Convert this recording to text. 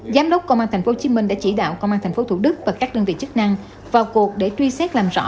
giám đốc công an tp hcm đã chỉ đạo công an tp thủ đức và các đơn vị chức năng vào cuộc để truy xét làm rõ